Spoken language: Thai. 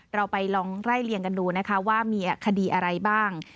เราไปลองไล่เลี่ยงกันดูนะคะว่ามีคดีอะไรบ้าง